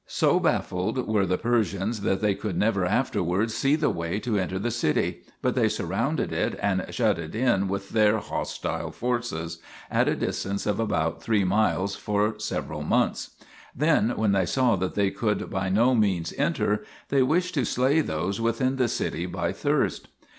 So baffled were the Persians that they could never afterwards see the way to enter the city, but they surrounded it and shut it in with their hostile forces, at a distance of about three miles, for several months. Then, when they saw that they could by no means enter, they wished to slay those within the city by thirst.